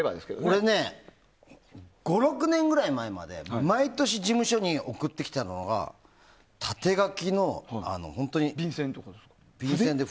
俺ね、５６年ぐらい前まで毎年、事務所に送ってきたのが縦書きの、本当に、便せんで。